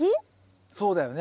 そうだよね。